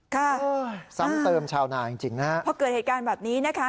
ค่ะซ้ำเติมชาวนาจริงจริงนะฮะพอเกิดเหตุการณ์แบบนี้นะคะ